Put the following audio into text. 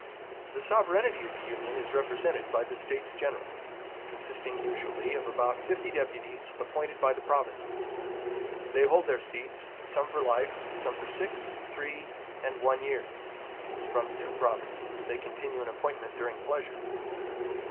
The sovereignty of the Union is represented by the States General, consisting usually of about fifty deputies appointed by the provinces. They hold their seats, some for life, some for six, three, and one years; from two provinces they continue in appointment during pleasure.